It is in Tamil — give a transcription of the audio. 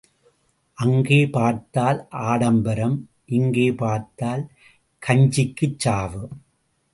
அங்கே பார்த்தால் ஆடம்பரம் இங்கே பார்த்தால் கஞ்சிக்குச் சாவு.